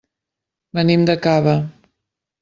Venim de Cava.